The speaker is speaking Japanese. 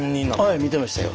はい見てましたよ。